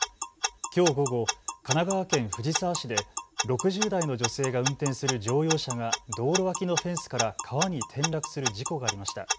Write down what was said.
きょう午後、神奈川県藤沢市で６０代の女性が運転する乗用車が道路脇のフェンスから川に転落する事故がありました。